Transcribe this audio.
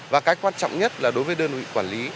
và cái quan trọng nhất là đối với đơn vị quản lý